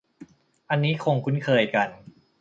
อันนี้คงคุ้นเคยกัน